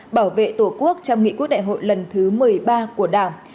bảo vệ tổ quốc trong nghị quốc đại hội lần thứ một mươi ba của đảng